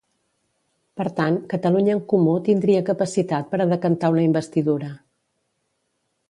Per tant, Catalunya en Comú tindria capacitat per a decantar una investidura.